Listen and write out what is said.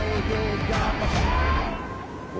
お。